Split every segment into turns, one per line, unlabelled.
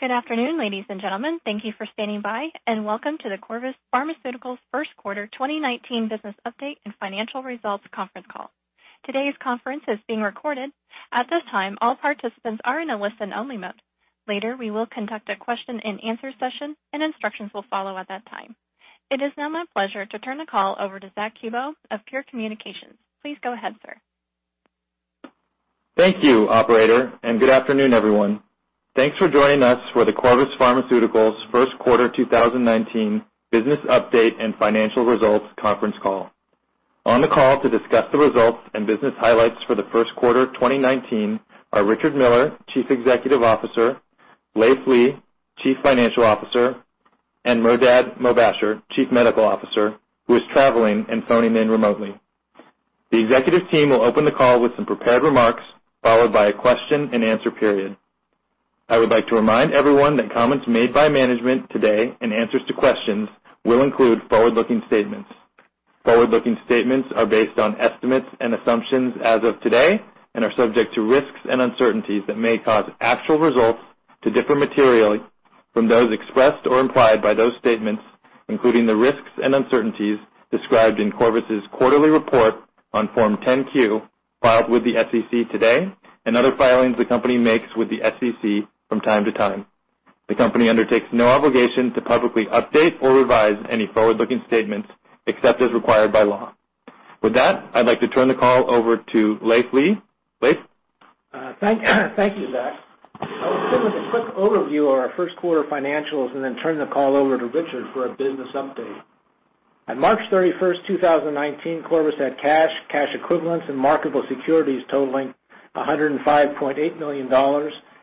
Good afternoon, ladies and gentlemen. Thank you for standing by. Welcome to the Corvus Pharmaceuticals First Quarter 2019 Business Update and Financial Results Conference Call. Today's conference is being recorded. At this time, all participants are in a listen-only mode. Later, we will conduct a question and answer session. Instructions will follow at that time. It is now my pleasure to turn the call over to Zack Kubow of Pure Communications. Please go ahead, sir.
Thank you, operator. Good afternoon, everyone. Thanks for joining us for the Corvus Pharmaceuticals First Quarter 2019 Business Update and Financial Results conference call. On the call to discuss the results and business highlights for the first quarter of 2019 are Richard Miller, Chief Executive Officer; Leiv Lea, Chief Financial Officer; Mehrdad Mobasher, Chief Medical Officer, who is traveling and phoning in remotely. The executive team will open the call with some prepared remarks, followed by a question and answer period. I would like to remind everyone that comments made by management today and answers to questions will include forward-looking statements. Forward-looking statements are based on estimates and assumptions as of today and are subject to risks and uncertainties that may cause actual results to differ materially from those expressed or implied by those statements, including the risks and uncertainties described in Corvus's quarterly report on Form 10-Q filed with the SEC today, and other filings the company makes with the SEC from time to time. The company undertakes no obligation to publicly update or revise any forward-looking statements, except as required by law. With that, I'd like to turn the call over to Leiv Lea. Leiv?
Thank you, Zack. I will start with a quick overview of our first quarter financials and then turn the call over to Richard for a business update. On March 31st, 2019, Corvus had cash equivalents, and marketable securities totaling $105.8 million,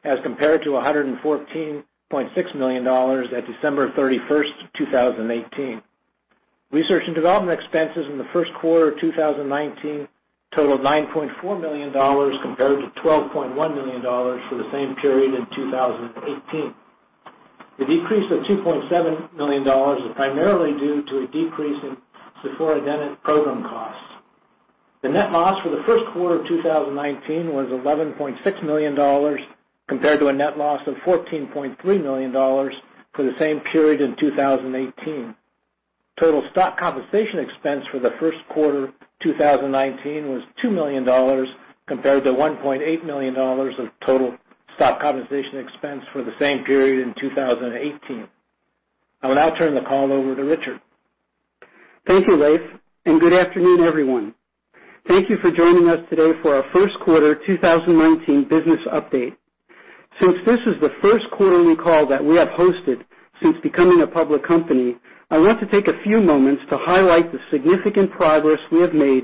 as compared to $114.6 million at December 31st, 2018. Research and development expenses in the first quarter of 2019 totaled $9.4 million, compared to $12.1 million for the same period in 2018. The decrease of $2.7 million is primarily due to a decrease in sifrolimab program costs. The net loss for the first quarter of 2019 was $11.6 million, compared to a net loss of $14.3 million for the same period in 2018. Total stock compensation expense for the first quarter 2019 was $2 million, compared to $1.8 million of total stock compensation expense for the same period in 2018. I will now turn the call over to Richard.
Thank you, Leiv, and good afternoon, everyone. Thank you for joining us today for our first quarter 2019 business update. Since this is the first quarterly call that we have hosted since becoming a public company, I want to take a few moments to highlight the significant progress we have made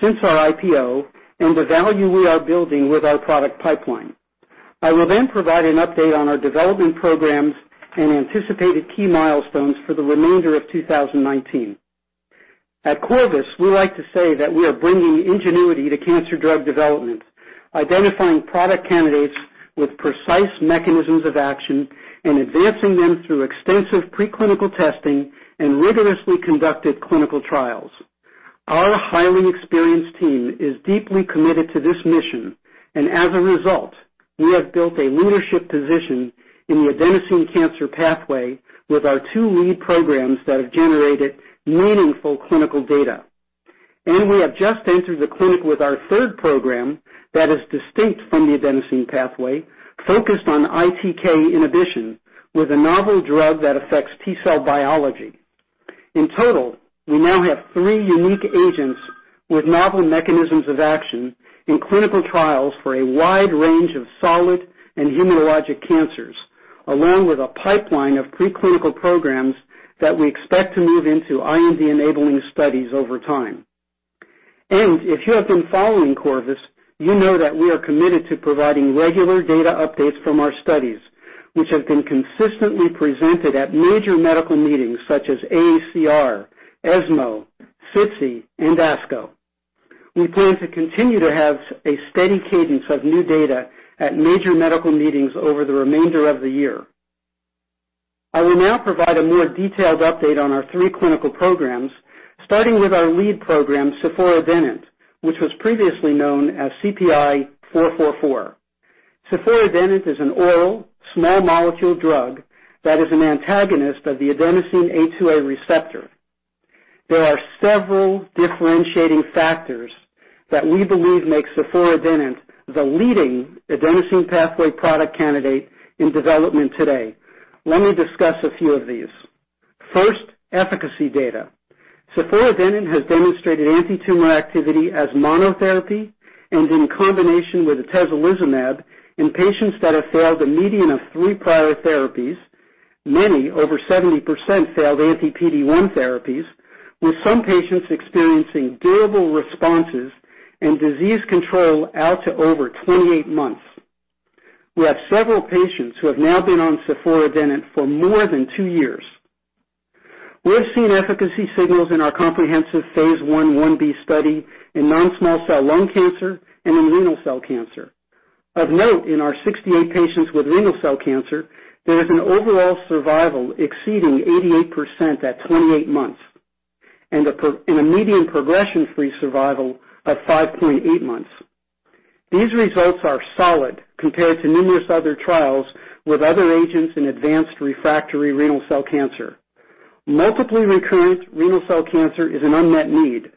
since our IPO and the value we are building with our product pipeline. I will then provide an update on our development programs and anticipated key milestones for the remainder of 2019. At Corvus, we like to say that we are bringing ingenuity to cancer drug development, identifying product candidates with precise mechanisms of action and advancing them through extensive preclinical testing and rigorously conducted clinical trials. Our highly experienced team is deeply committed to this mission. As a result, we have built a leadership position in the adenosine cancer pathway with our two lead programs that have generated meaningful clinical data. We have just entered the clinic with our third program that is distinct from the adenosine pathway, focused on ITK inhibition with a novel drug that affects T-cell biology. In total, we now have three unique agents with novel mechanisms of action in clinical trials for a wide range of solid and hematologic cancers, along with a pipeline of preclinical programs that we expect to move into IND-enabling studies over time. If you have been following Corvus, you know that we are committed to providing regular data updates from our studies, which have been consistently presented at major medical meetings such as AACR, ESMO, SITC, and ASCO. We plan to continue to have a steady cadence of new data at major medical meetings over the remainder of the year. I will now provide a more detailed update on our three clinical programs, starting with our lead program, ciforadenant, which was previously known as CPI-444. Ciforadenant is an oral, small molecule drug that is an antagonist of the adenosine A2A receptor. There are several differentiating factors that we believe make ciforadenant the leading adenosine pathway product candidate in development today. Let me discuss a few of these. First, efficacy data. Ciforadenant has demonstrated antitumor activity as monotherapy and in combination with atezolizumab in patients that have failed a median of three prior therapies. Many, over 70%, failed anti-PD-1 therapies, with some patients experiencing durable responses and disease control out to over 28 months. We have several patients who have now been on ciforadenant for more than two years. We have seen efficacy signals in our comprehensive phase I-B study in non-small cell lung cancer and in renal cell cancer. Of note, in our 68 patients with renal cell cancer, there is an overall survival exceeding 88% at 28 months. A median progression-free survival of 5.8 months. These results are solid compared to numerous other trials with other agents in advanced refractory renal cell cancer. Multiple recurrence renal cell cancer is an unmet need,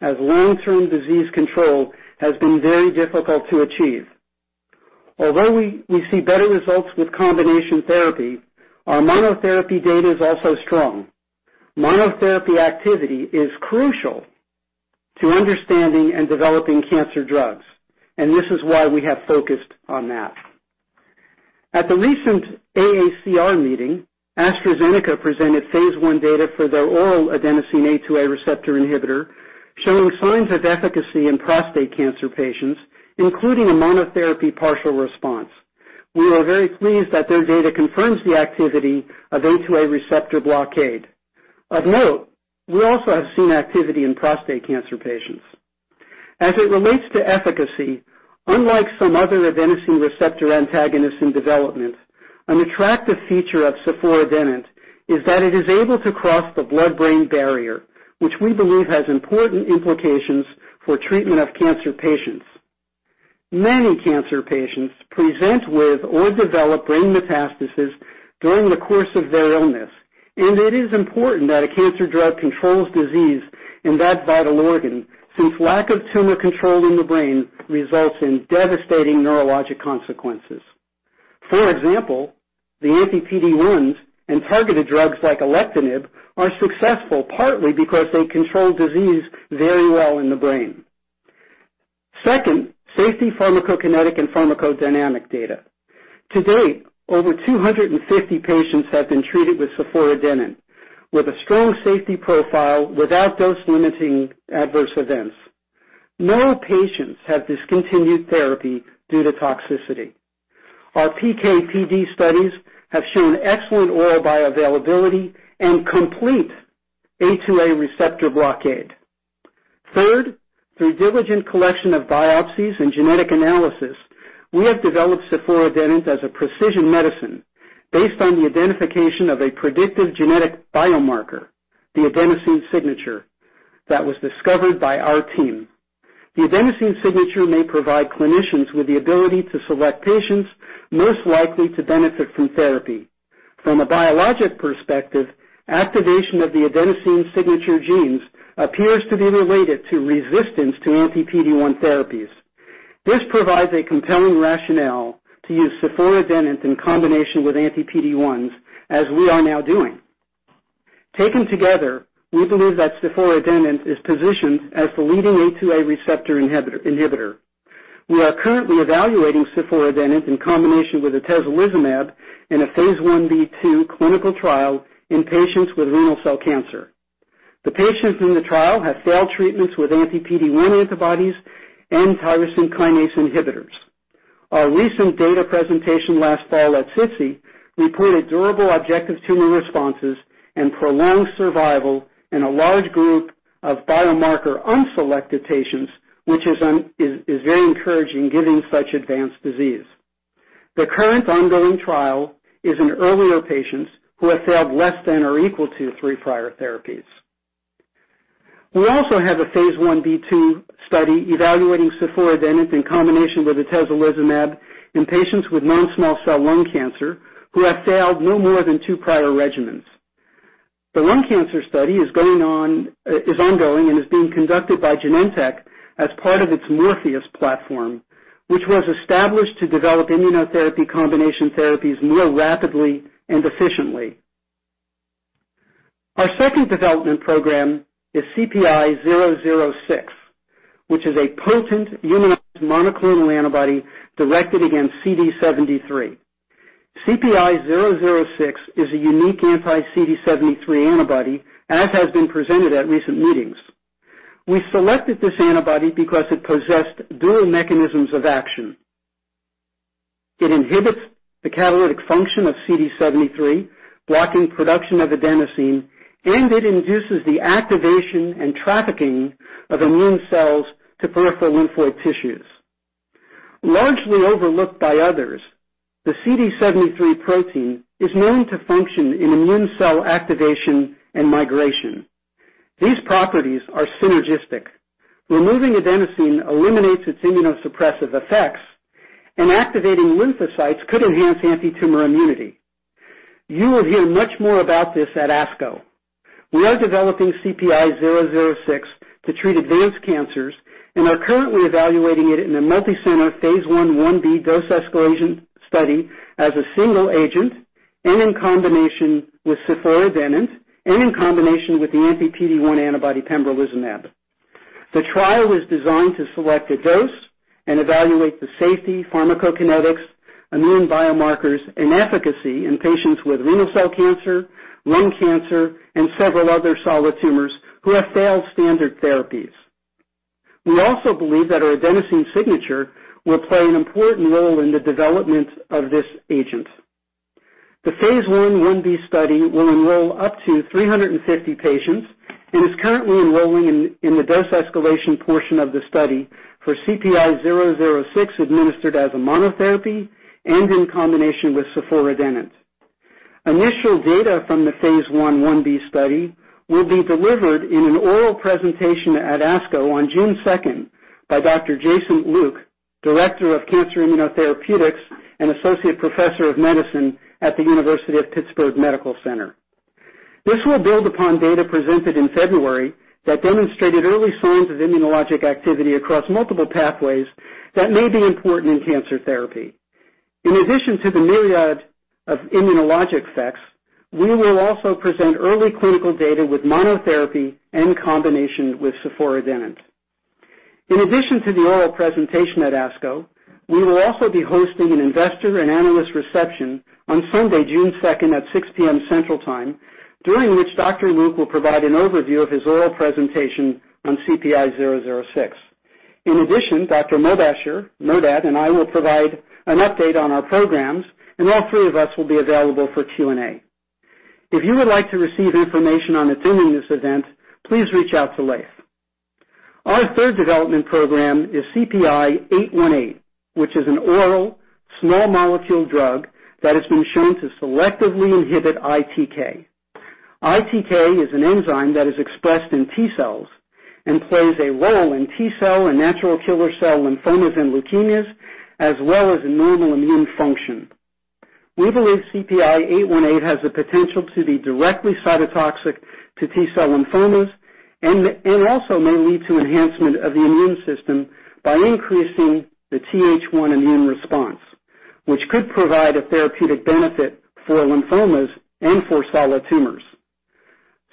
as long-term disease control has been very difficult to achieve. Although we see better results with combination therapy, our monotherapy data is also strong. Monotherapy activity is crucial to understanding and developing cancer drugs, and this is why we have focused on that. At the recent AACR meeting, AstraZeneca presented phase I data for their oral adenosine A2A receptor inhibitor, showing signs of efficacy in prostate cancer patients, including a monotherapy partial response. We are very pleased that their data confirms the activity of A2A receptor blockade. Of note, we also have seen activity in prostate cancer patients. As it relates to efficacy, unlike some other adenosine receptor antagonists in development, an attractive feature of ciforadenant is that it is able to cross the blood-brain barrier, which we believe has important implications for treatment of cancer patients. Many cancer patients present with or develop brain metastases during the course of their illness, and it is important that a cancer drug controls disease in that vital organ, since lack of tumor control in the brain results in devastating neurologic consequences. For example, the anti-PD-1s and targeted drugs like alectinib are successful partly because they control disease very well in the brain. Second, safety pharmacokinetic and pharmacodynamic data. To date, over 250 patients have been treated with ciforadenant, with a strong safety profile without dose-limiting adverse events. No patients have discontinued therapy due to toxicity. Our PK/PD studies have shown excellent oral bioavailability and complete A2A receptor blockade. Third, through diligent collection of biopsies and genetic analysis, we have developed ciforadenant as a precision medicine based on the identification of a predictive genetic biomarker, the adenosine signature, that was discovered by our team. The adenosine signature may provide clinicians with the ability to select patients most likely to benefit from therapy. From a biologic perspective, activation of the adenosine signature genes appears to be related to resistance to anti-PD-1 therapies. This provides a compelling rationale to use ciforadenant in combination with anti-PD-1s, as we are now doing. Taken together, we believe that ciforadenant is positioned as the leading A2A receptor inhibitor. We are currently evaluating ciforadenant in combination with atezolizumab in a phase I-B/II clinical trial in patients with renal cell cancer. The patients in the trial have failed treatments with anti-PD-1 antibodies and tyrosine kinase inhibitors. Our recent data presentation last fall at SITC reported durable objective tumor responses and prolonged survival in a large group of biomarker unselected patients, which is very encouraging given such advanced disease. The current ongoing trial is in earlier patients who have failed less than or equal to three prior therapies. We also have a phase I-B/II study evaluating ciforadenant in combination with atezolizumab in patients with non-small cell lung cancer who have failed no more than two prior regimens. The lung cancer study is ongoing and is being conducted by Genentech as part of its MORPHEUS platform, which was established to develop immunotherapy combination therapies more rapidly and efficiently. Our second development program is CPI-006, which is a potent humanized monoclonal antibody directed against CD73. CPI-006 is a unique anti-CD73 antibody, as has been presented at recent meetings. We selected this antibody because it possessed dual mechanisms of action. It inhibits the catalytic function of CD73, blocking production of adenosine, and it induces the activation and trafficking of immune cells to peripheral lymphoid tissues. Largely overlooked by others, the CD73 protein is known to function in immune cell activation and migration. These properties are synergistic. Removing adenosine eliminates its immunosuppressive effects, and activating lymphocytes could enhance antitumor immunity. You will hear much more about this at ASCO. We are developing CPI-006 to treat advanced cancers and are currently evaluating it in a multi-center phase I-B dose escalation study as a single agent and in combination with ciforadenant and in combination with the anti-PD-1 antibody pembrolizumab. The trial is designed to select a dose and evaluate the safety, pharmacokinetics, immune biomarkers, and efficacy in patients with renal cell cancer, lung cancer, and several other solid tumors who have failed standard therapies. We also believe that our adenosine signature will play an important role in the development of this agent. The phase I-B study will enroll up to 350 patients and is currently enrolling in the dose escalation portion of the study for CPI-006 administered as a monotherapy and in combination with ciforadenant. Initial data from the Phase I/I-B study will be delivered in an oral presentation at ASCO on June 2nd by Dr. Jason Luke, Director of Cancer Immunotherapeutics and Associate Professor of Medicine at the University of Pittsburgh Medical Center. This will build upon data presented in February that demonstrated early signs of immunologic activity across multiple pathways that may be important in cancer therapy. In addition to the myriad of immunologic effects, we will also present early clinical data with monotherapy and combination with ciforadenant. In addition to the oral presentation at ASCO, we will also be hosting an investor and analyst reception on Sunday, June 2nd at 6:00 P.M. Central Time, during which Dr. Luke will provide an overview of his oral presentation on CPI-006. In addition, Dr. Mehrdad Mobasher and I will provide an update on our programs, and all three of us will be available for Q&A. If you would like to receive information on attending this event, please reach out to Leiv. Our third development program is CPI-818, which is an oral, small molecule drug that has been shown to selectively inhibit ITK. ITK is an enzyme that is expressed in T-cells and plays a role in T-cell and natural killer cell lymphomas and leukemias, as well as in normal immune function. We believe CPI-818 has the potential to be directly cytotoxic to T-cell lymphomas and also may lead to enhancement of the immune system by increasing the Th1 immune response, which could provide a therapeutic benefit for lymphomas and for solid tumors.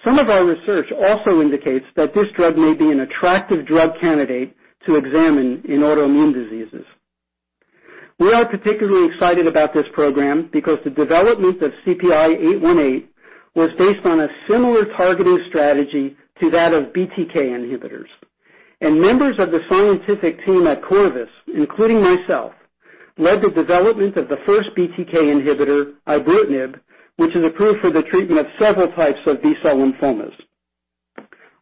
Some of our research also indicates that this drug may be an attractive drug candidate to examine in autoimmune diseases. We are particularly excited about this program because the development of CPI-818 was based on a similar targeting strategy to that of BTK inhibitors. Members of the scientific team at Corvus, including myself, led the development of the first BTK inhibitor, ibrutinib, which is approved for the treatment of several types of B-cell lymphomas.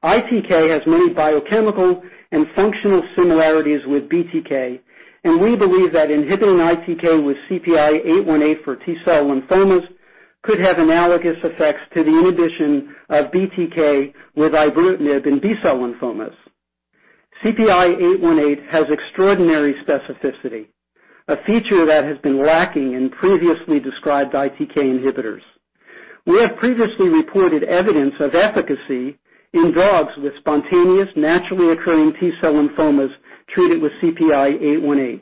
ITK has many biochemical and functional similarities with BTK. We believe that inhibiting ITK with CPI-818 for T-cell lymphomas could have analogous effects to the inhibition of BTK with ibrutinib in B-cell lymphomas. CPI-818 has extraordinary specificity, a feature that has been lacking in previously described ITK inhibitors. We have previously reported evidence of efficacy in dogs with spontaneous, naturally occurring T-cell lymphomas treated with CPI-818.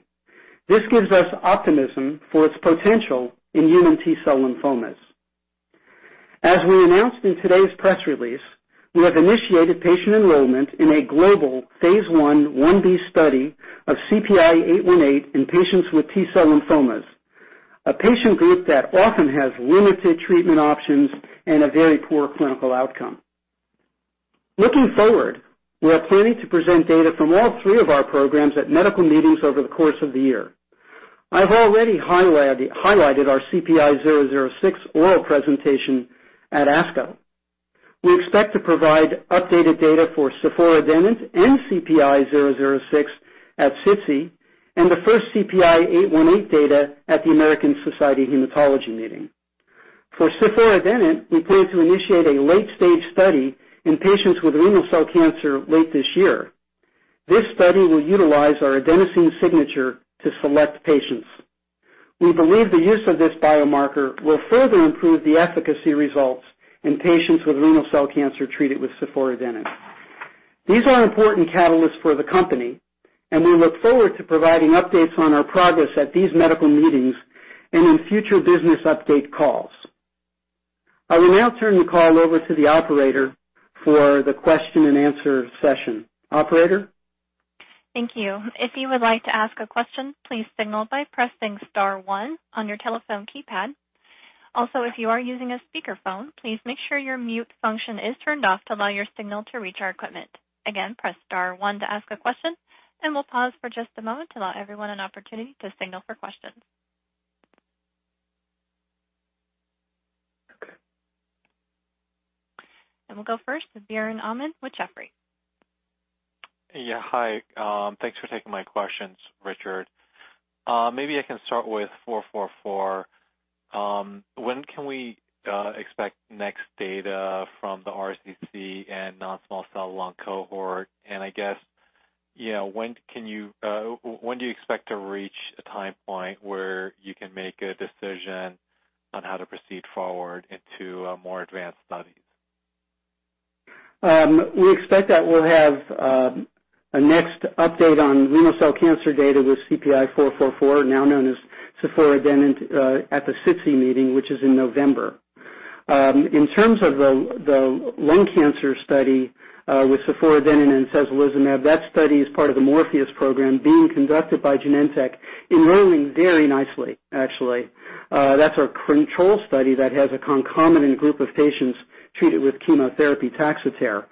This gives us optimism for its potential in human T-cell lymphomas. As we announced in today's press release, we have initiated patient enrollment in a global phase I/I-B study of CPI-818 in patients with T-cell lymphomas, a patient group that often has limited treatment options and a very poor clinical outcome. Looking forward, we are planning to present data from all three of our programs at medical meetings over the course of the year. I've already highlighted our CPI-006 oral presentation at ASCO. We expect to provide updated data for ciforadenant and CPI-006 at SITC, the first CPI-818 data at the American Society of Hematology meeting. For ciforadenant, we plan to initiate a late-stage study in patients with renal cell cancer late this year. This study will utilize our adenosine signature to select patients. We believe the use of this biomarker will further improve the efficacy results in patients with renal cell cancer treated with ciforadenant. These are important catalysts for the company. We look forward to providing updates on our progress at these medical meetings and in future business update calls. I will now turn the call over to the operator for the question-and-answer session. Operator?
Thank you. If you would like to ask a question, please signal by pressing star one on your telephone keypad. Also, if you are using a speakerphone, please make sure your mute function is turned off to allow your signal to reach our equipment. Again, press star one to ask a question. We'll pause for just a moment to allow everyone an opportunity to signal for questions.
Okay.
We'll go first to Biren Amin with Jefferies.
Hi. Thanks for taking my questions, Richard. I can start with CPI-444. When can we expect next data from the RCC and non-small cell lung cohort? I guess, when do you expect to reach a time point where you can make a decision on how to proceed forward into more advanced studies?
We expect that we'll have a next update on renal cell cancer data with CPI-444, now known as ciforadenant, at the SITC meeting, which is in November. In terms of the lung cancer study with ciforadenant and atezolizumab, that study is part of the MORPHEUS program being conducted by Genentech, enrolling very nicely, actually. That's our control study that has a concomitant group of patients treated with chemotherapy TAXOTERE.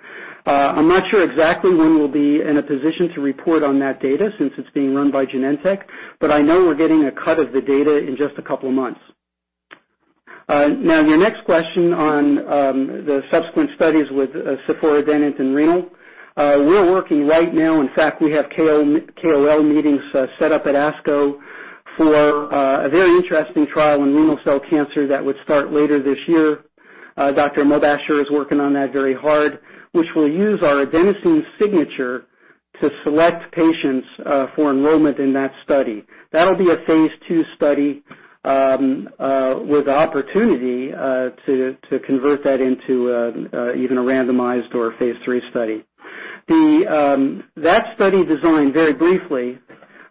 I'm not sure exactly when we'll be in a position to report on that data since it's being run by Genentech, but I know we're getting a cut of the data in just a couple of months. Your next question on the subsequent studies with ciforadenant in renal. We're working right now, in fact, we have KOL meetings set up at ASCO for a very interesting trial in renal cell cancer that would start later this year. Dr. Mobasher is working on that very hard, which will use our adenosine signature to select patients for enrollment in that study. That'll be a phase II study with opportunity to convert that into even a randomized or phase III study. That study design, very briefly,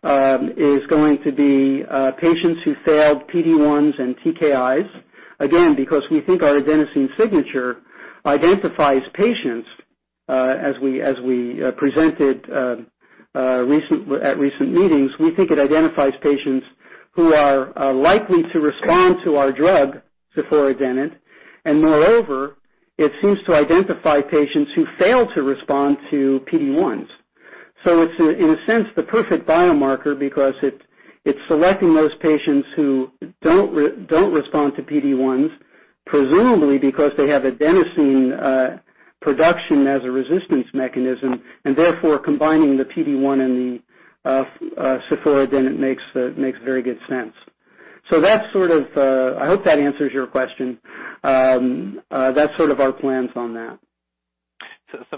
is going to be patients who failed PD-1s and TKIs. Again, because we think our adenosine signature identifies patients as we presented at recent meetings. We think it identifies patients who are likely to respond to our drug, ciforadenant. Moreover, it seems to identify patients who fail to respond to PD-1s. It's, in a sense, the perfect biomarker because it's selecting those patients who don't respond to PD-1s, presumably because they have adenosine production as a resistance mechanism, and therefore combining the PD-1 and the ciforadenant makes very good sense. I hope that answers your question. That's sort of our plans on that.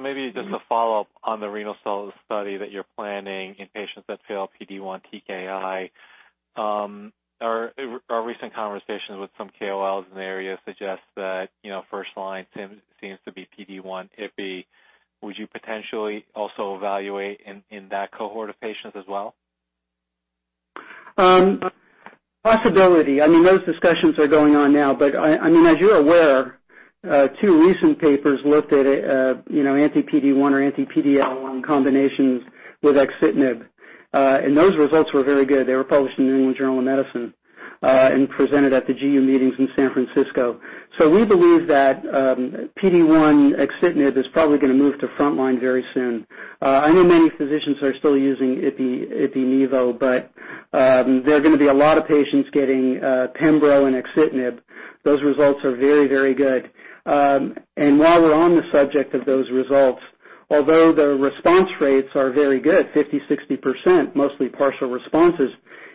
Maybe just a follow-up on the renal cell study that you're planning in patients that fail PD-1/TKI. Our recent conversations with some KOLs in the area suggest that first line seems to be PD-1/ipilimumab. Would you potentially also evaluate in that cohort of patients as well?
Possibility. As you're aware, two recent papers looked at anti-PD-1 or anti-PD-L1 combinations with axitinib. Those results were very good. They were published in the "New England Journal of Medicine" and presented at the GU meetings in San Francisco. We believe that PD-1 axitinib is probably going to move to frontline very soon. I know many physicians are still using ipilimumab/nivolumab, but there are going to be a lot of patients getting pembrolizumab and axitinib. Those results are very good. While we're on the subject of those results, although the response rates are very good, 50%, 60%, mostly partial responses,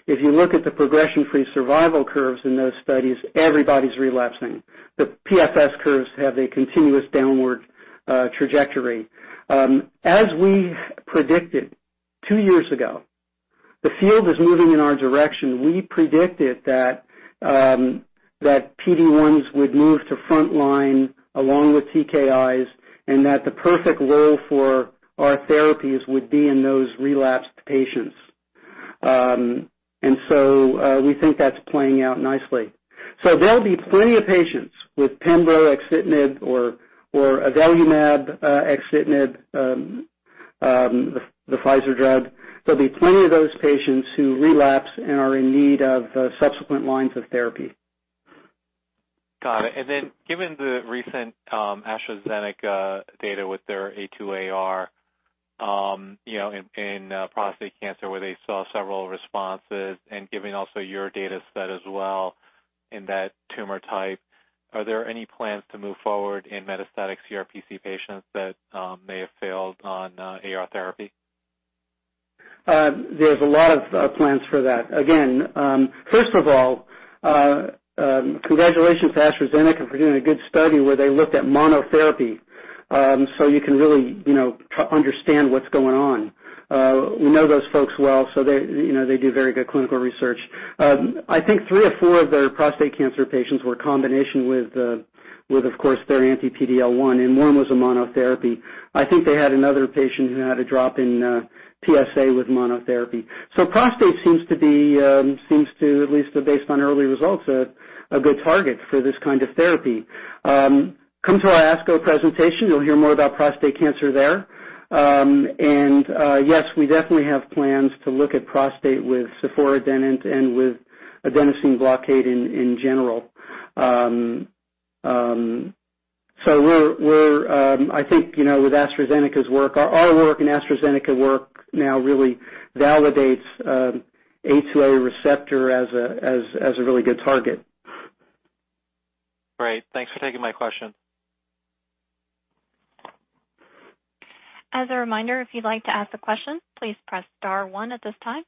if you look at the progression-free survival curves in those studies, everybody's relapsing. The PFS curves have a continuous downward trajectory. As we predicted two years ago, the field is moving in our direction. We predicted that PD-1s would move to frontline along with TKIs, that the perfect role for our therapies would be in those relapsed patients. We think that's playing out nicely. There'll be plenty of patients with pembro axitinib or avelumab axitinib, the Pfizer drug. There'll be plenty of those patients who relapse and are in need of subsequent lines of therapy.
Got it. Given the recent AstraZeneca data with their A2AR in prostate cancer where they saw several responses and given also your data set as well in that tumor type, are there any plans to move forward in metastatic CRPC patients that may have failed on AR therapy?
There's a lot of plans for that. Again, first of all, congratulations to AstraZeneca for doing a good study where they looked at monotherapy, you can really understand what's going on. We know those folks well, they do very good clinical research. I think three or four of their prostate cancer patients were a combination with, of course, their anti-PD-L1, and one was a monotherapy. I think they had another patient who had a drop in PSA with monotherapy. Prostate seems to be, at least based on early results, a good target for this kind of therapy. Come to our ASCO presentation, you'll hear more about prostate cancer there. Yes, we definitely have plans to look at prostate with ciforadenant and with adenosine blockade in general. I think with AstraZeneca's work, our work and AstraZeneca work now really validates A2A receptor as a really good target.
Great. Thanks for taking my question.
As a reminder, if you'd like to ask a question, please press star one at this time.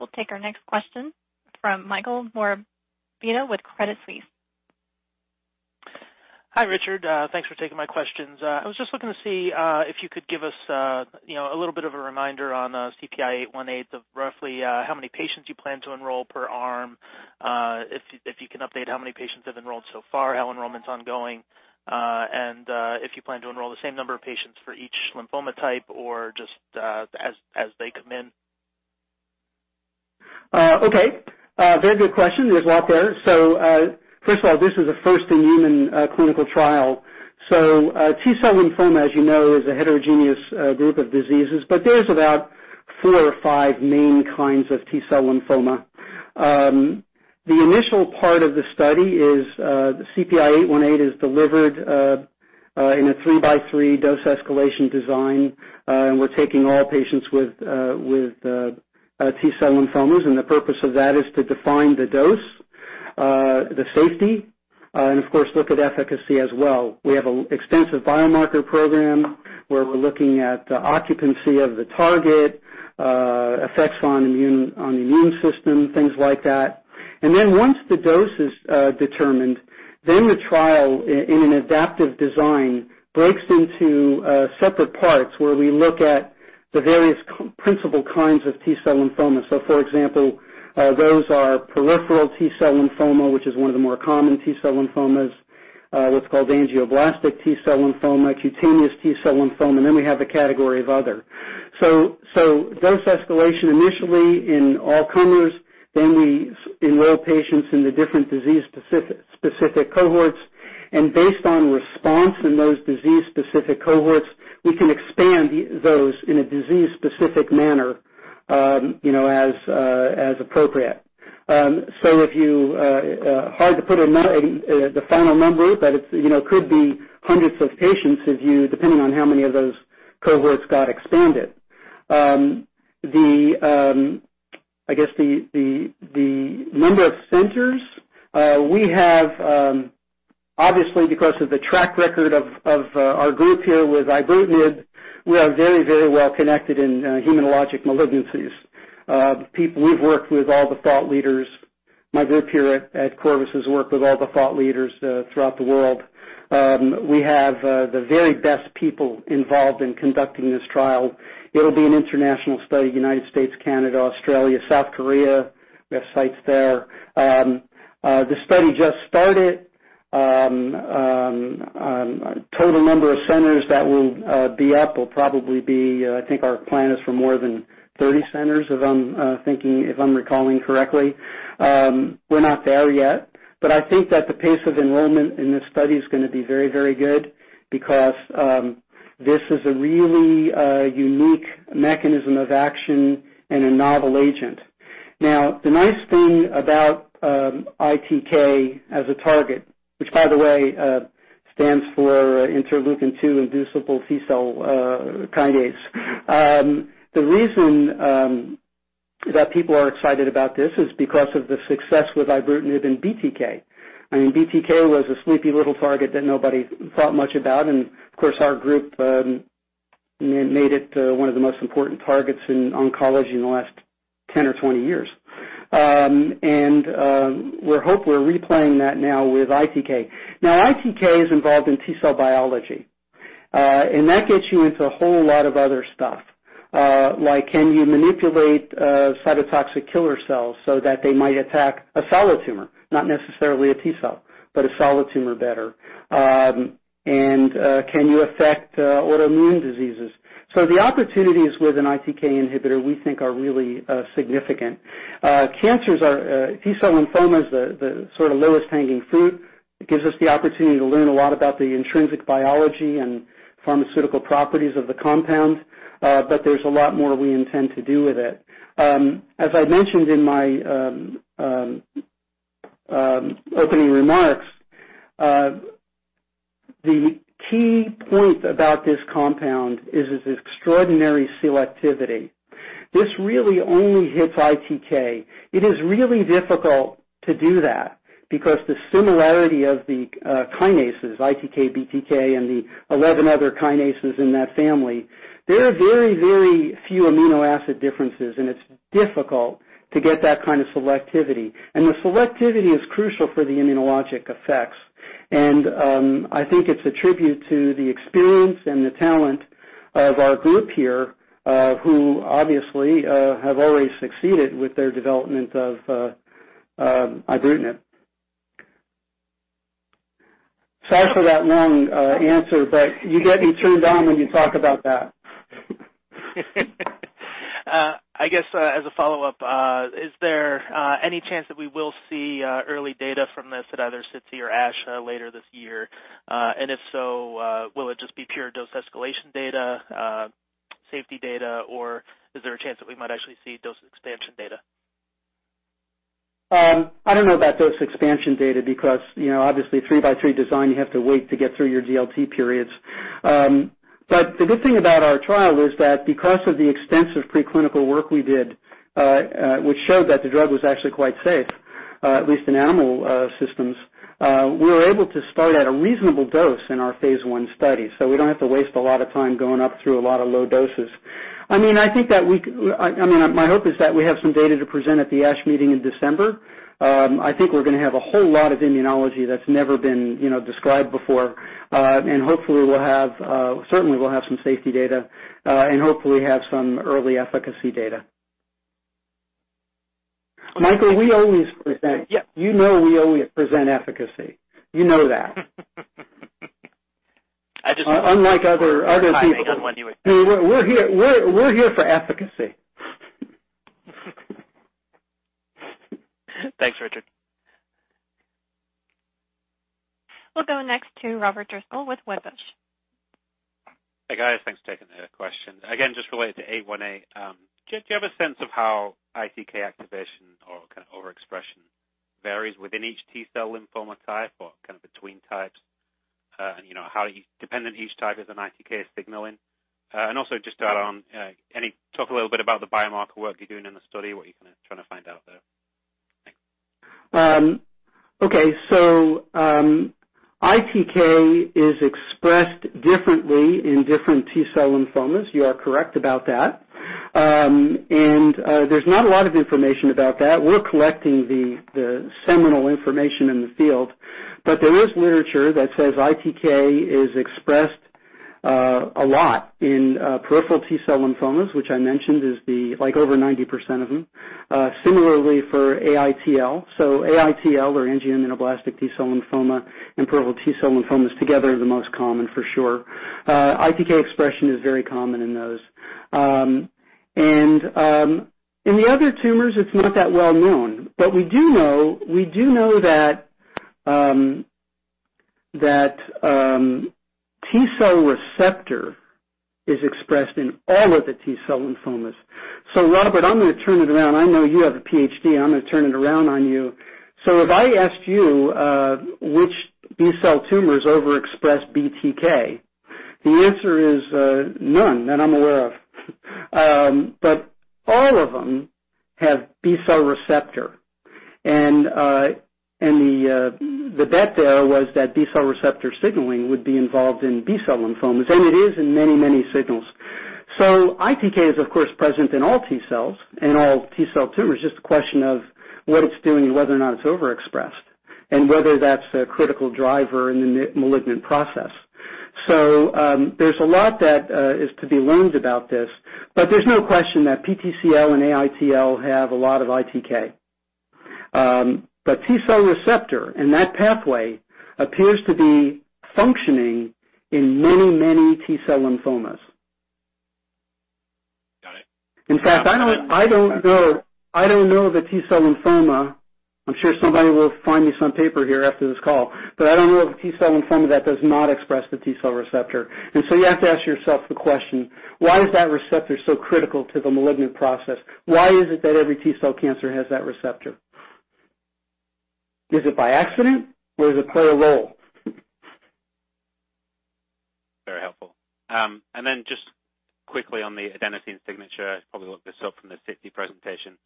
We'll take our next question from Michael Morabito with Credit Suisse.
Hi, Richard. Thanks for taking my questions. I was just looking to see if you could give us a little bit of a reminder on CPI-818 of roughly how many patients you plan to enroll per arm. If you can update how many patients have enrolled so far, how enrollment's ongoing, and if you plan to enroll the same number of patients for each lymphoma type or just as they come in.
Okay. Very good question. There's a lot there. First of all, this is a first in human clinical trial. T-cell lymphoma, as you know, is a heterogeneous group of diseases, but there's about four or five main kinds of T-cell lymphoma. The initial part of the study is the CPI-818 is delivered in a 3-by-3 dose escalation design. We're taking all patients with T-cell lymphomas, and the purpose of that is to define the dose, the safety, and of course, look at efficacy as well. We have an extensive biomarker program where we're looking at the occupancy of the target, effects on the immune system, things like that. Then once the dose is determined, the trial in an adaptive design breaks into separate parts where we look at the various principal kinds of T-cell lymphomas. For example, those are peripheral T-cell lymphoma, which is one of the more common T-cell lymphomas, what's called angioimmunoblastic T-cell lymphoma, cutaneous T-cell lymphoma, and then we have the category of other. Dose escalation initially in all comers, then we enroll patients in the different disease-specific cohorts, and based on response in those disease-specific cohorts, we can expand those in a disease-specific manner as appropriate. Hard to put the final number, but it could be hundreds of patients, depending on how many of those cohorts got expanded. I guess, the number of centers we have, obviously because of the track record of our group here with ibrutinib, we are very well connected in hematologic malignancies. We've worked with all the thought leaders. My group here at Corvus has worked with all the thought leaders throughout the world. We have the very best people involved in conducting this trial. It'll be an international study, U.S., Canada, Australia, South Korea. We have sites there. The study just started. Total number of centers that will be up will probably be, I think our plan is for more than 30 centers, if I'm recalling correctly. We're not there yet, but I think that the pace of enrollment in this study is going to be very good because this is a really unique mechanism of action and a novel agent. The nice thing about ITK as a target, which by the way, stands for interleukin-2-inducible T-cell kinase. The reason that people are excited about this is because of the success with ibrutinib and BTK. I mean, BTK was a sleepy little target that nobody thought much about. Of course, our group made it one of the most important targets in oncology in the last 10 or 20 years. We hope we're replaying that now with ITK. ITK is involved in T-cell biology. That gets you into a whole lot of other stuff. Like can you manipulate cytotoxic killer cells so that they might attack a solid tumor, not necessarily a T-cell, but a solid tumor better? Can you affect autoimmune diseases? The opportunities with an ITK inhibitor we think are really significant. Cancers are T-cell lymphomas, the sort of lowest hanging fruit. It gives us the opportunity to learn a lot about the intrinsic biology and pharmaceutical properties of the compound. There's a lot more we intend to do with it. As I mentioned in my opening remarks, the key point about this compound is its extraordinary selectivity. This really only hits ITK. It is really difficult to do that because the similarity of the kinases, ITK, BTK, and the 11 other kinases in that family, there are very few amino acid differences, and it's difficult to get that kind of selectivity. The selectivity is crucial for the immunologic effects. I think it's a tribute to the experience and the talent of our group here, who obviously have already succeeded with their development of ibrutinib. Sorry for that long answer, you get me turned on when you talk about that.
I guess as a follow-up, is there any chance that we will see early data from this at either SITC or ASH later this year? If so, will it just be pure dose escalation data, safety data, or is there a chance that we might actually see dose expansion data?
I don't know about dose expansion data because obviously 3x3 design, you have to wait to get through your DLT periods. The good thing about our trial is that because of the extensive preclinical work we did which showed that the drug was actually quite safe, at least in animal systems, we were able to start at a reasonable dose in our phase I study, we don't have to waste a lot of time going up through a lot of low doses. My hope is that we have some data to present at the ASH meeting in December. I think we're going to have a whole lot of immunology that's never been described before. Hopefully we'll have, certainly we'll have some safety data, and hopefully have some early efficacy data. Michael, we always present.
Yeah.
You know we always present efficacy. You know that.
I just.
Unlike other companies.
I know when you would.
We're here for efficacy.
Thanks, Richard.
We'll go next to Robert Driscoll with Wedbush.
Hey, guys. Thanks for taking the questions. Again, just related to CPI-818, do you have a sense of how ITK activation or kind of overexpression varies within each T-cell lymphoma type or kind of between types? How dependent each type is on ITK signaling? Also just to add on, can you talk a little bit about the biomarker work you're doing in the study, what you're kind of trying to find out there? Thanks.
Okay. ITK is expressed differently in different T-cell lymphomas. You are correct about that. There's not a lot of information about that. We're collecting the seminal information in the field, but there is literature that says ITK is expressed a lot in peripheral T-cell lymphomas, which I mentioned is over 90% of them. Similarly for AITL. AITL, or angioimmunoblastic T-cell lymphoma, and peripheral T-cell lymphomas together are the most common, for sure. ITK expression is very common in those. In the other tumors, it's not that well-known. We do know that T-cell receptor is expressed in all of the T-cell lymphomas. Robert, I'm going to turn it around. I know you have a PhD, I'm going to turn it around on you. If I asked you which B-cell tumors overexpress BTK, the answer is none that I'm aware of. All of them have B-cell receptor. The bet there was that B-cell receptor signaling would be involved in B-cell lymphomas, and it is in many signals. ITK is, of course, present in all T-cells and all T-cell tumors. It's just a question of what it's doing and whether or not it's overexpressed, and whether that's a critical driver in the malignant process. There's a lot that is to be learned about this. There's no question that PTCL and AITL have a lot of ITK. T-cell receptor and that pathway appears to be functioning in many T-cell lymphomas.
Got it.
In fact, I don't know the T-cell lymphoma. I'm sure somebody will find me some paper here after this call, but I don't know of a T-cell lymphoma that does not express the T-cell receptor. You have to ask yourself the question: why is that receptor so critical to the malignant process? Why is it that every T-cell cancer has that receptor? Is it by accident, or does it play a role?
Very helpful. Just quickly on the adenosine signature, I probably looked this up from the SITC presentation.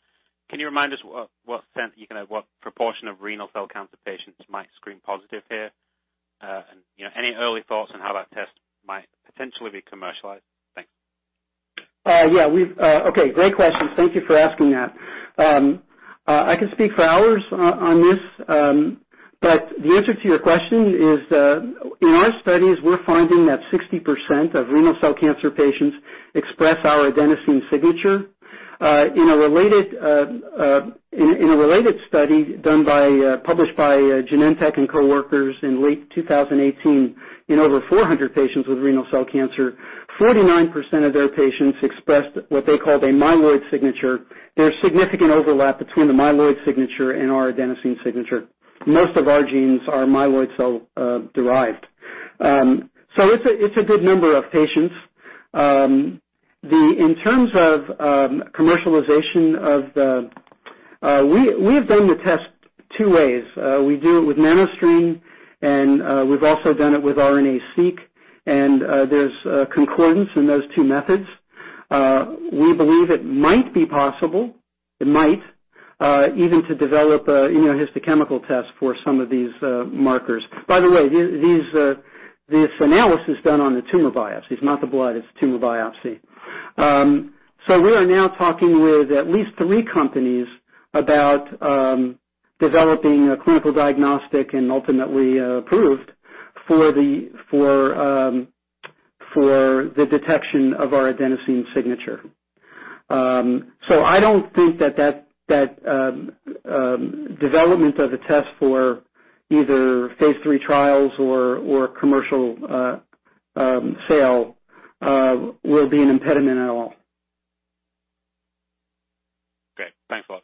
Can you remind us what proportion of renal cell cancer patients might screen positive here? Any early thoughts on how that test might potentially be commercialized? Thanks.
Okay. Great question. Thank you for asking that. I can speak for hours on this. The answer to your question is, in our studies, we're finding that 60% of renal cell cancer patients express our adenosine signature. In a related study published by Genentech and coworkers in late 2018 in over 400 patients with renal cell cancer, 49% of their patients expressed what they called a myeloid signature. There's significant overlap between the myeloid signature and our adenosine signature. Most of our genes are myeloid cell-derived. It's a good number of patients. In terms of commercialization, we have done the test two ways. We do it with NanoString, and we've also done it with RNA-seq, and there's concordance in those two methods. We believe it might even to develop a immunohistochemical test for some of these markers. By the way, this analysis is done on the tumor biopsy. It's not the blood, it's the tumor biopsy. We are now talking with at least three companies about developing a clinical diagnostic, and ultimately approved, for the detection of our adenosine signature. I don't think that development of the test for either phase III trials or commercial sale will be an impediment at all.
Great. Thanks a lot.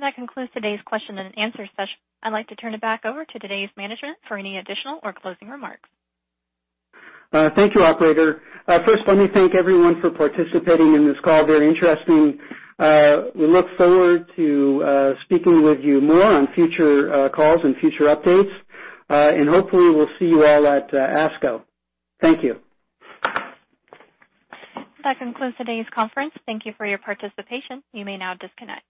That concludes today's question and answer session. I'd like to turn it back over to today's management for any additional or closing remarks.
Thank you, operator. First, let me thank everyone for participating in this call. Very interesting. We look forward to speaking with you more on future calls and future updates. Hopefully, we'll see you all at ASCO. Thank you.
That concludes today's conference. Thank you for your participation. You may now disconnect.